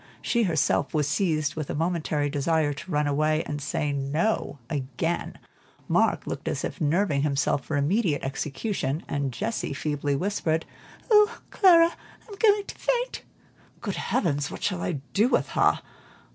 She herself was seized with a momentary desire to run away and say "No" again; Mark looked as if nerving himself for immediate execution, and Jessie feebly whispered "Oh, Clara, I'm going to faint!" "Good heavens, what shall I do with her?